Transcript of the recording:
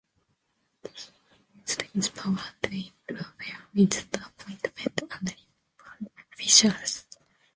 He used his power to interfere with the appointment and removal of officials.